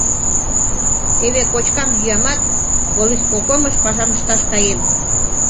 Теве кочкам-йӱамат, волисполкомыш паша ышташ каем.